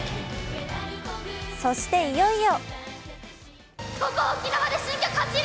そして、いよいよ！